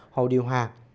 hồ điều hòa